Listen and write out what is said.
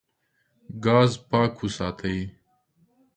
ګاز پاک وساتئ.